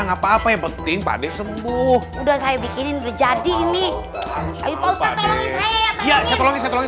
apa apa yang penting pak d sembuh udah saya bikinin berjadi ini ayo pak ustadz tolongin saya ya tolongin